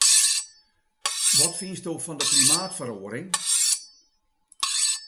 Wat fynsto fan de klimaatferoaring?